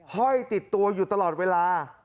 ห้อยติดตัวอยู่ตลอดเวลา